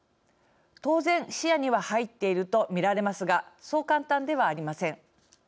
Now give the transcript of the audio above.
当然、視野には入っていると見られますがそう簡単ではありません。